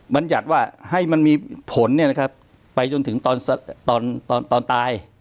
บรรยัติว่าให้มันมีผลเนี่ยนะครับไปจนถึงตอนตอนตอนตาย